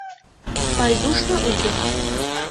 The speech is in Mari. — Пайдушна уке.